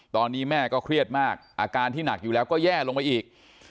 ตอนนี้แม่ก็เครียดมากอาการที่หนักอยู่แล้วก็แย่ลงไปอีก